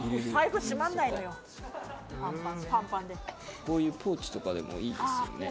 こういうポーチとかでもいいですよね。